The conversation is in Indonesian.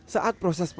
saat proses pengadilan